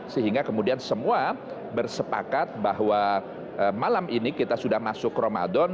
sehingga kemudian semua bersepakat bahwa malam ini kita sudah masuk ramadan